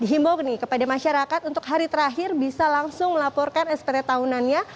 dihimbau kepada masyarakat untuk hari terakhir bisa langsung melaporkan spt tahunannya